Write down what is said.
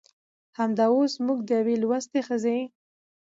همدا اوس موږ د يوې لوستې ښځې